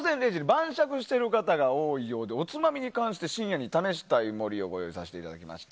晩酌している方が多いようでおつまみに関して深夜に試したい森をご用意させていただきました。